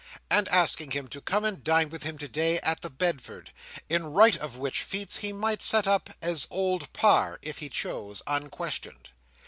and asking him to come and dine with him today at the Bedford; in right of which feats he might set up as Old Parr, if he chose, unquestioned.